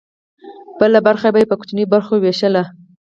بله برخه به یې په کوچنیو برخو ویشله.